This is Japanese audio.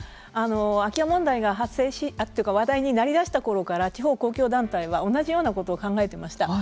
空き家問題が発生しというか話題になりだしたころから地方公共団体は同じようなことを考えてました。